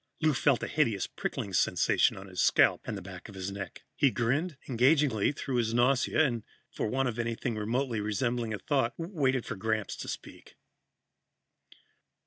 Lou felt a hideous prickling sensation on his scalp and the back of his neck. He grinned engagingly through his nausea and, for want of anything remotely resembling a thought, waited for Gramps to speak.